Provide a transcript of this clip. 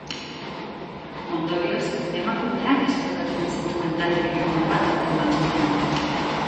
Ondorioz, emakumeak esplotatzen zituen talde kriminal bat atzeman zuten.